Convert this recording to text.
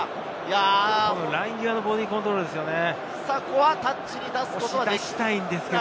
ライン際のボディーコントロールですよね。